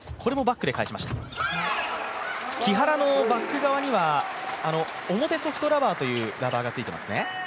木原のバック側には表ソフトラバーというラバーがついていますね。